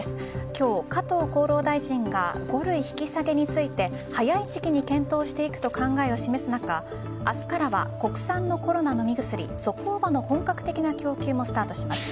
今日、加藤厚労大臣が５類引き下げについて早い時期に検討していくと考えを示す中明日からは国産のコロナ飲み薬ゾコーバの本格的な供給もスタートします。